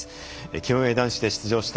競泳男子で出場した